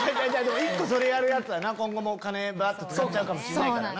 １個それやるヤツはな今後も金バっと使っちゃうかもしれないからな。